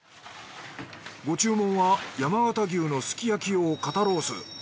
ご注文は山形牛のすきやき用肩ロース。